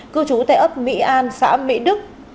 cư trú tại ấp mỹ an xã mỹ đức